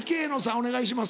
お願いします。